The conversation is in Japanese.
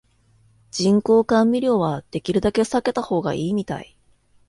人工甘味料はできるだけ避けた方がいいみたい